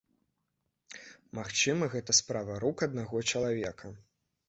Магчыма, гэта справа рук аднаго чалавека.